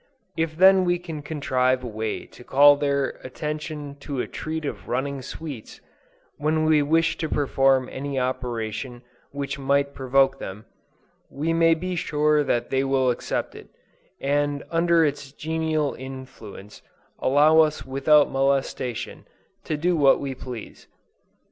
If then we can contrive a way to call their attention to a treat of running sweets, when we wish to perform any operation which might provoke them, we may be sure they will accept it, and under its genial influence, allow us without molestation, to do what we please.